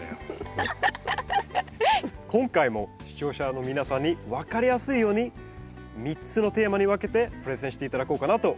今回も視聴者の皆さんに分かりやすいように３つのテーマに分けてプレゼンして頂こうかなと思っています。